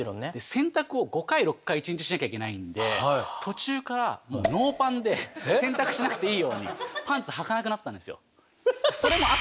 洗濯を５回６回一日しなきゃいけないんで途中からもうノーパンで洗濯しなくていいようにパンツはかなくなったんですよ。